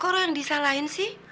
kok lu yang disalahin sih